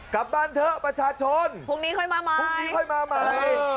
กลับบ้านเถอะประชาชนพรุ่งนี้ค่อยมาใหม่พรุ่งนี้ค่อยมาใหม่